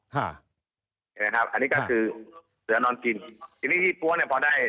เห็นไหมครับอันนี้ก็คือเสือนอนกินทีนี้ยี่ปั้วเนี่ยพอได้